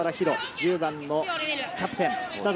１０番、キャプテン。